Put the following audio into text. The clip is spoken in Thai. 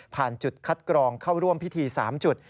จุดคัดกรองเข้าร่วมพิธี๓จุด